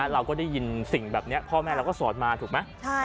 เราก็ได้ยินสิ่งแบบนี้พ่อแม่เราก็สอนมาถูกไหม